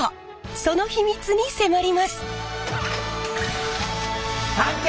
その秘密に迫ります。